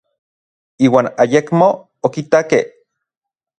Iuan ayekmo okitakej.